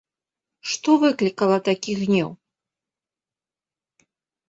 Што выклікала такі гнеў?